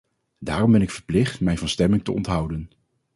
Daarom ben ik verplicht mij van stemming te onthouden.